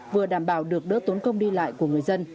vừa đảm bảo được đỡ tốn công đi lại của người dân